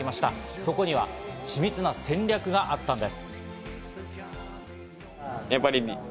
そこには緻密な戦略があったんです。